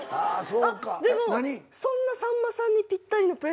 でもそんなさんまさんにぴったりのプレゼントが今日あります。